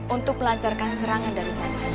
untuk melancarkan serangan dari sana